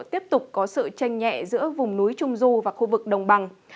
tiếp tục có sự tranh nhẹ giữa vùng núi trung du và khu vực đồng bằng